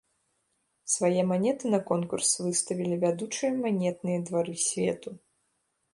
Свае манеты на конкурс выставілі вядучыя манетныя двары свету.